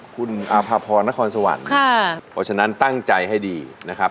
คุณอาภาพรนครสวรรค์เพราะฉะนั้นตั้งใจให้ดีนะครับ